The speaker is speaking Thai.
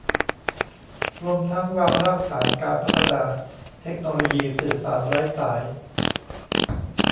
รวมทั้งวางรากฐานการพัฒนาเทคโนโลยีสื่อสารไร้สาย